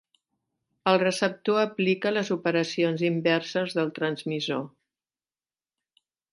El receptor aplica les operacions inverses del transmissor.